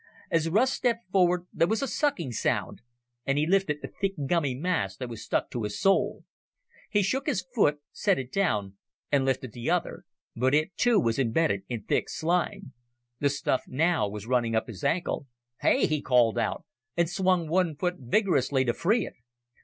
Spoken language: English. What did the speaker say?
As Russ stepped forward, there was a sucking sound, and he lifted a thick gummy mass that was stuck to his sole. He shook his foot, set it down, and lifted the other, but it, too, was imbedded in thick slime. The stuff now was running up his ankle. "Hey!" he called out, and swung one foot vigorously to free it.